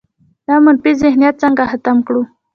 دا منفي ذهنیت څنګه ختم کړو؟